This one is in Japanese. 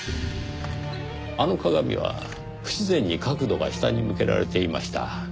あの鏡は不自然に角度が下に向けられていました。